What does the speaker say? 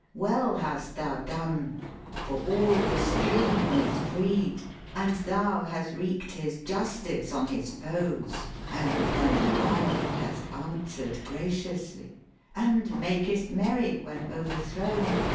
Well hast thou done; for all the stream is freed, And thou hast wreak'd his justice on his foes, And when reviled, hast answer'd graciously, And makest merry, when overthrown.